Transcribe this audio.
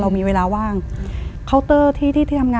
เรามีเวลาว่าง